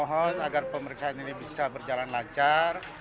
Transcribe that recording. mohon agar pemeriksaan ini bisa berjalan lancar